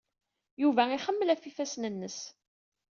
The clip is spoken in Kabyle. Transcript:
Yuba ixemmel ɣef yifassen-nnes.